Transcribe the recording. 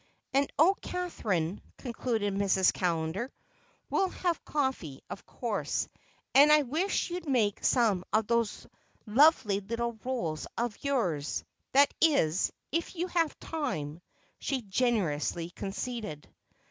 "And oh, Catherine," concluded Mrs. Callender, "we'll have coffee, of course; and I wish you'd make some of those lovely little rolls of yours—that is, if you have time," she generously conceded.